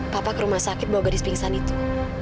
papa ke rumah sakit bawa gadis pingsan itu